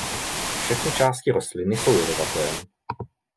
Všechny části rostliny jsou jedovaté.